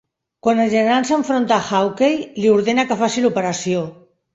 Quan el general s'enfronta a Hawkeye, li ordena que faci l'operació.